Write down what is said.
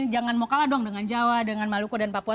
jangan mau kalah dong dengan jawa dengan maluku dan papua